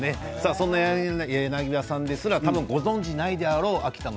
そんな柳葉さんもまだご存じないであろう秋田の